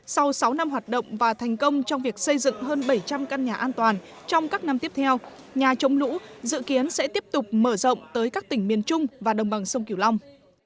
sau sáu năm hoạt động và thành công trong việc xây dựng hơn bảy trăm linh căn nhà an toàn trong các năm tiếp theo nhà chống lũ dự kiến sẽ tiếp tục mở rộng tới các tỉnh miền trung và đồng bằng sông kiều long